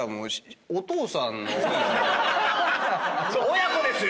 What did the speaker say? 親子ですよ！